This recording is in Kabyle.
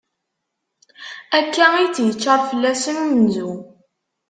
Akka i tt-icar fell-asen umenzu.